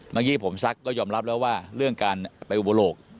เมื่อกี้ผมซักก็ยอมรับแล้วว่าเรื่องการไปอุบลก